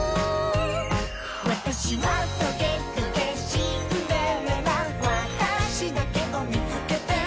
「わたしはトゲトゲシンデレラ」「わたしだけをみつけて」